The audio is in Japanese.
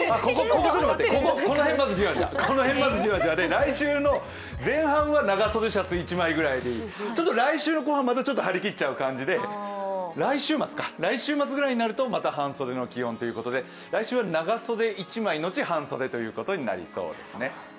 ここ、この辺までじわじわで、来週の前半は長袖シャツ１枚ぐらいでいい来週もまたちょっと張り切っちゃう感じで、来週末ぐらいになるとまた半袖の気温ということで来週は長袖１枚、のち半袖ということになりそうですね。